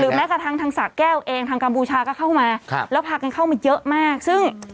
แม้กระทั่งทางสะแก้วเองทางกัมพูชาก็เข้ามาแล้วพากันเข้ามาเยอะมากซึ่ง